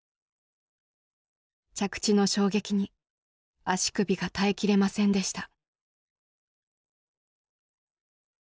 着地の衝撃に足首が耐えきれませんでした。